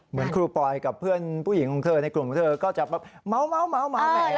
ครูปอยกับเพื่อนผู้หญิงของเธอในกลุ่มของเธอก็จะแบบเมาแหม